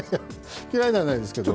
嫌いではないですけど。